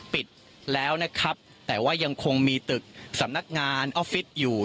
ปิดแล้วนะครับแต่ว่ายังคงมีตึกสำนักงานออฟฟิศอยู่